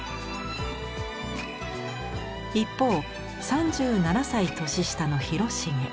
一方３７歳年下の広重。